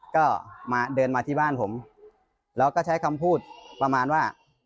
ก็มาเดินมาที่บ้านผมแล้วก็ใช้คำพูดประมาณว่า